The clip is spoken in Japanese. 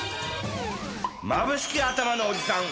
まぶしきあたまのおじさん！